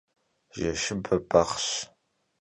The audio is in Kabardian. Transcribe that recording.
Zeşşıbe behş.